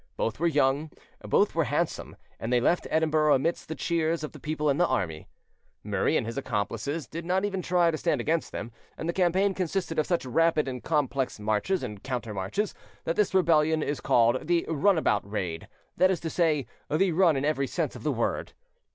Both were young, both were handsome, and they left Edinburgh amidst the cheers of the people and the army. Murray and his accomplices did not even try to stand against them, and the campaign consisted of such rapid and complex marches and counter marches, that this rebellion is called the Run about Raid that is to say, the run in every sense of the word.